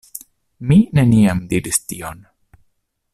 Mi neniam diris tion.